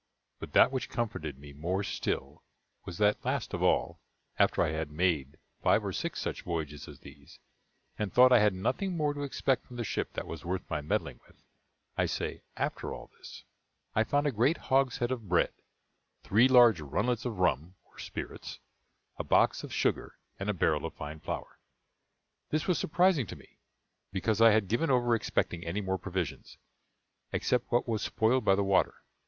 But that which comforted me more still was that last of all, after I had made five or six such voyages as these, and thought I had nothing more to expect from the ship that was worth my meddling with I say, after all this, I found a great hogshead of bread, three large runlets of rum, or spirits, a box of sugar, and a barrel of fine flour; this was surprising to me, because I had given over expecting any more provisions, except what was spoiled by the water.